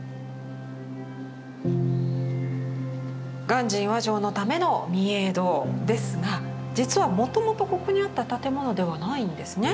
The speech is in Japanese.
鑑真和上のための御影堂ですが実はもともとここにあった建物ではないんですね。